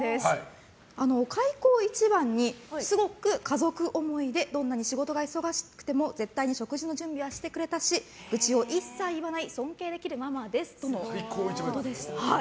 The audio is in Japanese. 開口一番に、すごく家族思いでどんなに仕事が忙しくても絶対に食事の準備はしてくれてたし愚痴を一切言わない尊敬できるママですとのことでした。